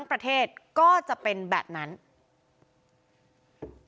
คุณวราวุฒิศิลปะอาชาหัวหน้าภักดิ์ชาติไทยพัฒนา